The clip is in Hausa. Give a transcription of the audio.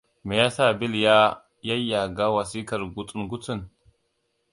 Me yasa Bill ya yayyaga wasikar gutsun-gutsun?